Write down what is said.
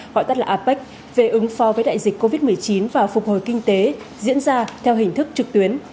gọi tắt là apec về ứng phó với đại dịch covid một mươi chín và phục hồi kinh tế diễn ra theo hình thức trực tuyến